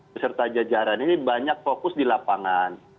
beserta jajaran ini banyak fokus di lapangan